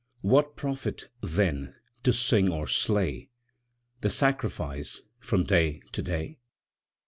What profit, then, to sing or slay The sacrifice from day to day?